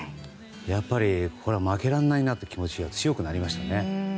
やっぱり、これは負けられないなという気持ちが強くなりました。